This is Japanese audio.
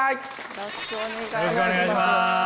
よろしくお願いします。